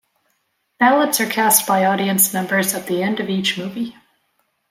Ballots are cast by audience members at the end of each movie.